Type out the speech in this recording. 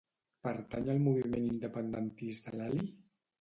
Pertany al moviment independentista l'Eli?